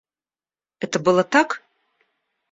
Это было так?